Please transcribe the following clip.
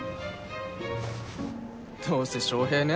どうせ翔平の奴